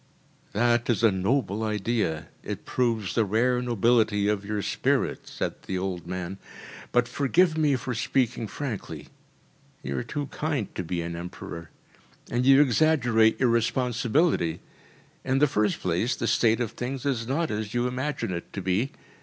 “That is a noble idea. It proves the rare nobility of your spirit,‚ÄĚ said the old man. “But forgive me for speaking frankly you are too kind to be an emperor, and you exaggerate your responsibility. In the first place, the state of things is not as you imagine it to be.